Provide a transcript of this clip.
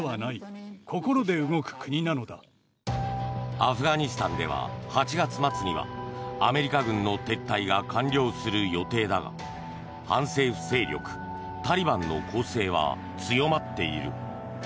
アフガニスタンでは８月末にはアメリカ軍の撤退が完了する予定だが反政府勢力タリバンの攻勢は強まっている。